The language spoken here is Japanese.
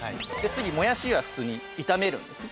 次もやしは普通に炒めるんですね